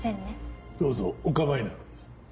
どうぞお構いなく。